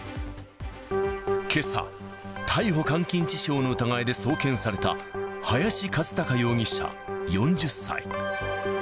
けさ、逮捕監禁致傷の疑いで送検された、林一貴容疑者４０歳。